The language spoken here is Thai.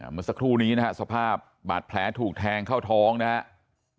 เลสักครู่นี้สภาพบาดแพลตถูกแทงเข้าท้องนะครับ